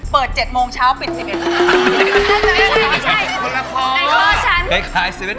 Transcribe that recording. เปิด๗โมงเช้าปิด๑๑โมง